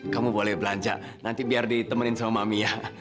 kamu boleh belanja nanti biar ditemenin sama mami ya